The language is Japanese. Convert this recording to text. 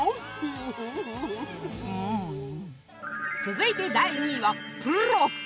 続いて第２位は「プロフ」！